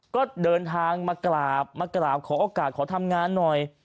ก็เดินทางมากราบมากราบขอโอกาสขอทำงานหน่อย